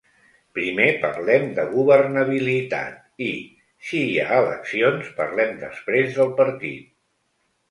Primer parlem de governabilitat i, si hi ha eleccions, parlem després del partit.